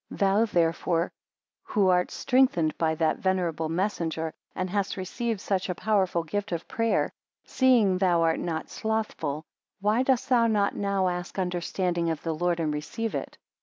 40 Thou therefore who art strengthened by that venerable messenger, and hast received such a powerful gift of prayer; seeing thou art not slothful, why dost thou not now ask understanding of the Lord, and receive it?